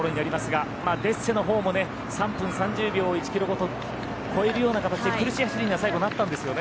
デッセのほうも３分３０秒、１キロごと超えるような形で苦しい走りには最後なったんですよね。